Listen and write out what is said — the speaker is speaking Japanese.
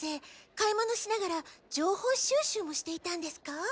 買い物しながら情報収集もしていたんですか？